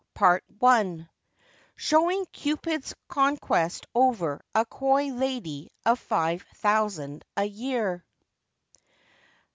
] PART I. SHOWING CUPID'S CONQUEST OVER A COY LADY OF FIVE THOUSAND A YEAR.